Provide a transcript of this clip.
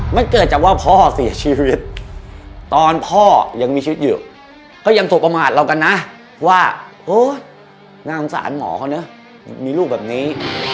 มันเกิดจากว่าพ่อเสียชีวิตตอนพ่อยังมีชีวิตอยู่ก็ยังโทรประมาทเรากันนะว่าโอ๊ยน่าสงสารหมอเขาเนอะมีลูกแบบนี้